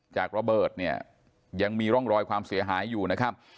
จากระเบิดเนี่ยยังมีร่องรอยความเสียหายอยู่นะครับ